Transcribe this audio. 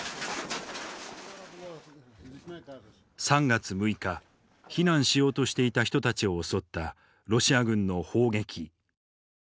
３月６日避難しようとしていた人たちを襲ったロシア軍の砲撃。